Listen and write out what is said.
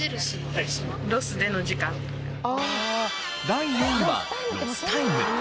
第４位はロスタイム。